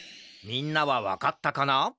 みんなはわかったかな？